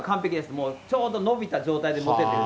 もう、ちょうど伸びた状態で載せてくる。